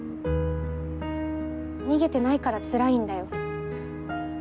逃げてないからつらいんだよ。